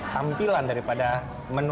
tampilan daripada menu ini saya sudah menikmati